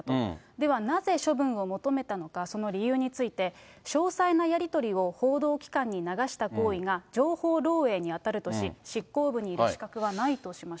ではなぜ処分を求めたのか、その理由について、詳細なやり取りを報道機関に流した行為が情報漏えいに当たるとし、執行部にいる資格はないとしました。